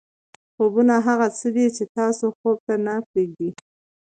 خوبونه هغه څه دي چې تاسو خوب ته نه پرېږدي.